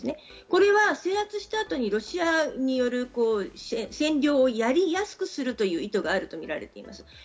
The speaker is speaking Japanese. これは制圧した後にロシアによる占領をやりやすくするという意図があるとみられています。